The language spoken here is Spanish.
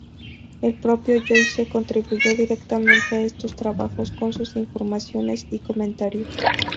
El propio Joyce contribuyó directamente a estos trabajos con sus informaciones y comentarios.